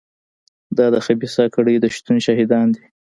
دا د خبیثه کړۍ د شتون شاهدان دي.